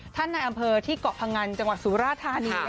ในอำเภอที่เกาะพงันจังหวัดสุราธานี